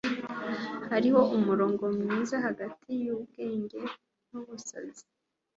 Hariho umurongo mwiza hagati yubwenge nubusazi.